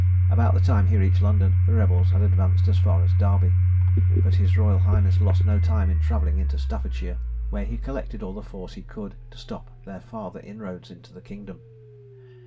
About the time he reached London, the rebels had advanced as far as Derby; but his royal highness lost no time in travelling into Staffordshire, where he collected all the force he could, to stop their farther inroads into the kingdom.